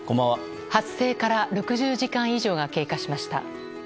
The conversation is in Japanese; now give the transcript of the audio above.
発生から６０時間以上が経過しました。